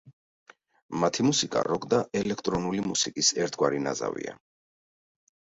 მათი მუსიკა როკ და ელექტრონული მუსიკის ერთგვარი ნაზავია.